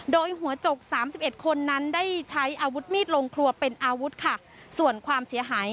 โดยหัวจกสามสิบเอ็ดคนนั้นได้ใช้อาวุธมีดลงครัวเป็นอาวุธค่ะส่วนความเสียหาย